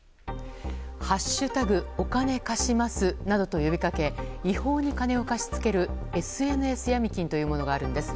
「＃お金貸します」などと呼びかけ違法に金を貸し付けるＳＮＳヤミ金というものがあるんです。